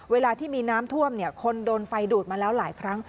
เวลาที่มีน้ำท่วมคนโดนไฟดูดมาแล้วหลายครั้ง